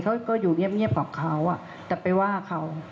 เขาก็อยู่เงียบกับเขาแต่ไปว่าเขา